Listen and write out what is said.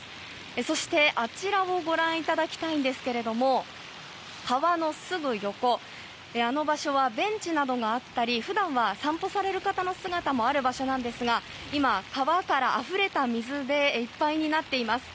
そして、あちらをご覧いただきたいんですけれども川のすぐ横のあの場所はベンチなどがあったり普段は散歩される方の姿もある場所なんですが今、川からあふれた水でいっぱいになっています。